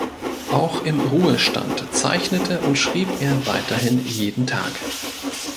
Auch im Ruhestand zeichnete und schrieb er weiterhin jeden Tag.